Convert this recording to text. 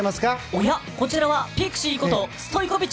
おや、こちらはピクシーこと